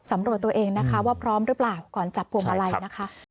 ตัวเองนะคะว่าพร้อมหรือเปล่าก่อนจับพวงมาลัยนะคะ